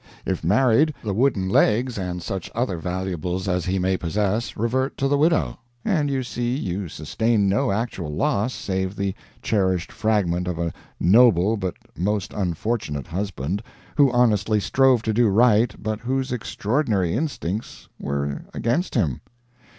If married, the wooden legs and such other valuables as he may possess revert to the widow, and you see you sustain no actual loss save the cherished fragment of a noble but most unfortunate husband, who honestly strove to do right, but whose extraordinary instincts were against him.